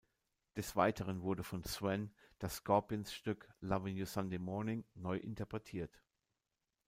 Des Weiteren wurde von Zwan das Scorpions-Stück "Loving You Sunday Morning" neu interpretiert.